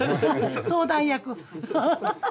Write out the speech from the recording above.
相談役。